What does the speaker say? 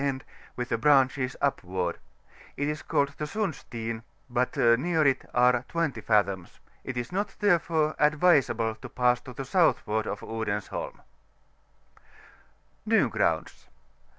end, with the branches upward; it is called the Sundsteen, THE GULP OP PINLAND. 9 but near it are 20 fathoms: it is not, therefore, advisable to pass to the southward of Odensholm. NY GKOUNDS.